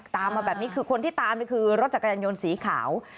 ตามมาแบบนี้คือคนที่ตามนี่คือรถจักรยานยนต์สีขาว